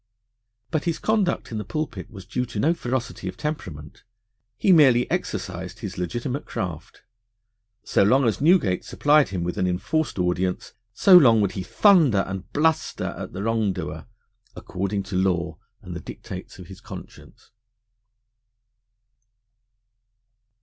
But his conduct in the pulpit was due to no ferocity of temperament. He merely exercised his legitimate craft. So long as Newgate supplied him with an enforced audience, so long would he thunder and bluster at the wrongdoer according to law and the dictates of his conscience.